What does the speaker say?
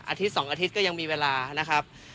อาทิตย์๒อาทิตย์ก็ยังมีเวลานะครับ